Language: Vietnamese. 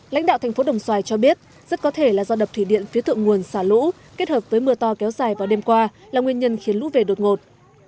lãnh đạo thành phố đồng xoài cho biết rất có thể là do đập thủy điện phía thượng nguồn xả lũ kết hợp với mưa to kéo dài vào đêm qua là nguyên nhân khiến lũ về đột ngột